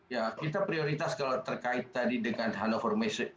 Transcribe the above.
ya kita prioritas kalau terkait tadi dengan hanover message